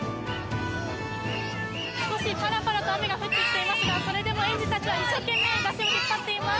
少しパラパラと雨が降ってきていますがそれでも園児たちは一生懸命山車を引っ張っています。